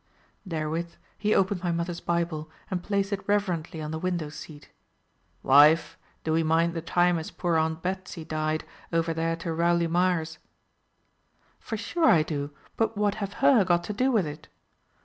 Therewith he opened my mother's Bible, and placed it reverently on the window seat. "Waife, do'e mind the time as poor Aunt Betsy died, over there to Rowley Mires?" "For sure I do, but what have her got to do with it?